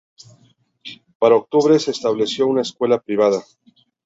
Para octubre, se estableció una escuela privada.